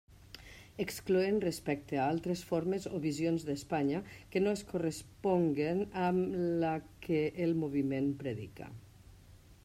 Excloent respecte a altres formes o visions d'Espanya que no es corresponguen amb la que el moviment predica.